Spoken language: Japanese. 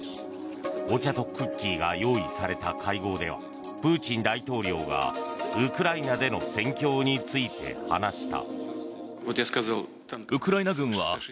お茶とクッキーが用意された会合では、プーチン大統領がウクライナでの戦況について話した。